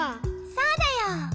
そうだよ。